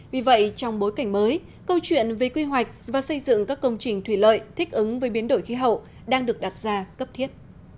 vì vậy trong bối cảnh mới câu chuyện về quy hoạch và xây dựng các công trình thủy lợi thích ứng với biến đổi khí hậu đang được đặt ra cấp thiết